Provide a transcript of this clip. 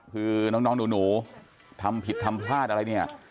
คือน้องหนูทำผิดทำพลาดอะไรเนี่ย